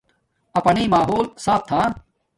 اپانݷ ماحول صاف تھآ